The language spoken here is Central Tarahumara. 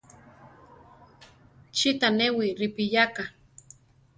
¿Chí tanéwi ripiyáka.